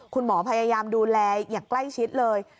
คุณหมอพยายามดูแลอย่างใกล้ชิดเลย